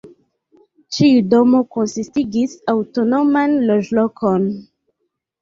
Ĉiu domo konsistigis aŭtonoman loĝlokon.